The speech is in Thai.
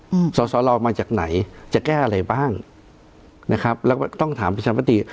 อืมสอสอรอมาจากไหนจะแก้อะไรบ้างนะครับแล้วก็ต้องถามประชามติ